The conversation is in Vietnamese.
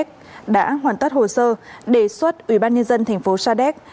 công an thành phố sa đéc đã hoàn tất hồ sơ đề xuất ủy ban nhân dân thành phố sa đéc